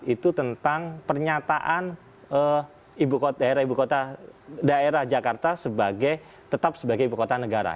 itu tentang pernyataan daerah jakarta tetap sebagai ibu kota negara